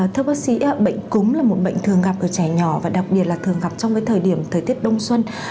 thưa bác sĩ bệnh cúm là một bệnh thường gặp ở trẻ nhỏ và đặc biệt là thường gặp trong thời điểm thời tiết đông xuân